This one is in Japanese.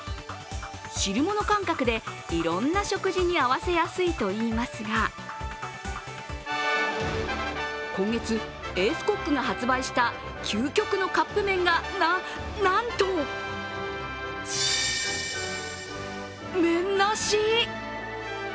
汁物感覚でいろんな食事に合わせやすいといいますが今月、エースコックが発売した究極のカップ麺がな、なんと麺なし！